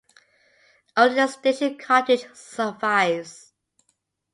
Only the station cottage survives.